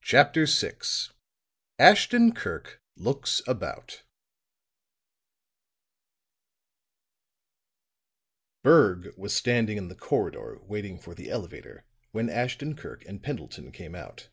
CHAPTER VI ASHTON KIRK LOOKS ABOUT Berg was standing in the corridor waiting for the elevator when Ashton Kirk and Pendleton came out.